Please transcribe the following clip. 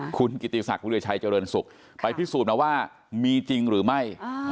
คุณกิติศักดิชัยเจริญสุขไปพิสูจน์มาว่ามีจริงหรือไม่